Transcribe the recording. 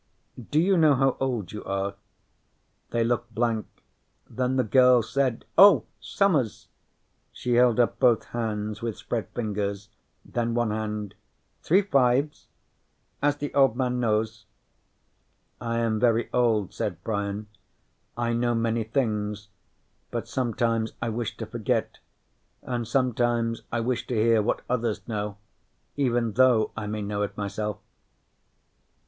"Do you know how old you are?" They looked blank. Then the girl said: "Oh, summers!" She held up both hands with spread fingers, then one hand. "Three fives. As the Old Man knows." "I am very old," said Brian. "I know many things. But sometimes I wish to forget, and sometimes I wish to hear what others know, even though I may know it myself."